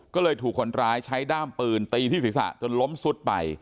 ก็เลยถูกคนร้ายใช้ด้ามปืนตีที่ศีรษะจนล้มซุดไป